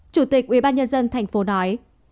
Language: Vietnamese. chủ tịch ubnd tp nói